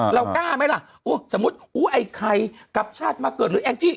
เรากล้าไหมละใครกลับชาติมาเกิด